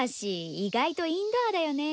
意外とインドアだよね。